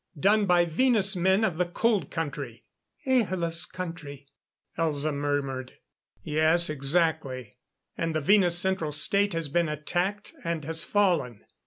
Done by Venus men of the Cold Country." "Ahla's country," Elza murmured. "Yes. Exactly. And the Venus Central State has been attacked and has fallen.